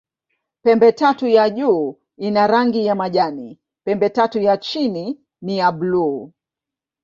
Pembetatu ya juu ina rangi ya majani, pembetatu ya chini ni ya buluu.